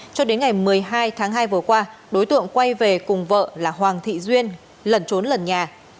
cho đến ngày một mươi hai tháng hai vừa qua đối tượng quay về cùng vợ là hoàng thị duyên lẩn trốn lần nhà